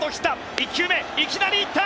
１球目いきなり行った！